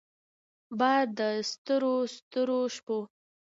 بار د ستورو ستورو شپو